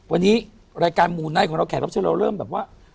วันนี้รายการหมู่ไนท์ของเราแขกรับเชิญเราเริ่มแบบว่า